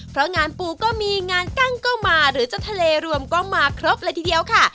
เพราะงานปูก็มีงานกั้งก็มาหรือจะทะเลรวมก็มาครบเลยทีเดียวค่ะ